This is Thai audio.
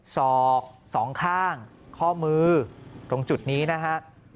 ศอกสองข้างข้อมือตรงจุดนี้นะฮะ